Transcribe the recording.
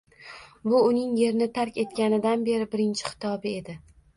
— bu uning Yerni tark etganidan beri birinchi xitobi edi: